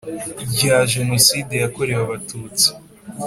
rya Jenoside yakorewe Abatutsi